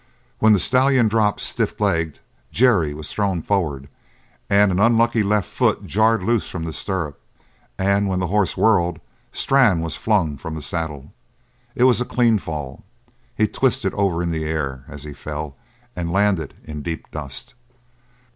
When the stallion dropped stiff legged Jerry was thrown forward and an unlucky left foot jarred loose from the stirrup; and when the horse whirled Strann was flung from the saddle. It was a clean fall. He twisted over in the air as he fell and landed in deep dust.